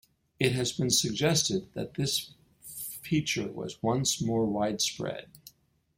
It has been suggested that this feature was once more widespread.